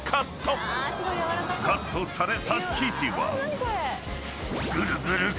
［カットされた生地は］